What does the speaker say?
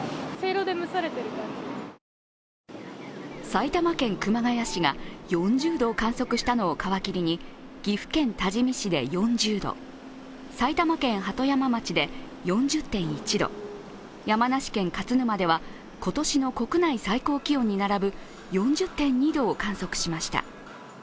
埼玉県熊谷市が４０度を観測したのを皮切りに岐阜県多治見市で４０度、埼玉県鳩山町で４０．１度山梨県勝沼では今年の国内最高気温に並ぶ４０．２度を観測しました。